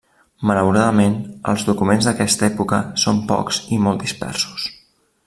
Malauradament, els documents d'aquesta època són pocs i molt dispersos.